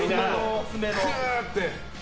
クーッて。